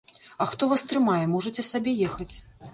А хто вас трымае, можаце сабе ехаць.